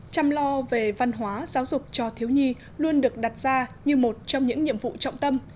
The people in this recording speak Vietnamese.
chăm lo về văn hóa giáo dục cho thiếu nhi luôn được đặt ra như một trong những nhiệm vụ trọng tâm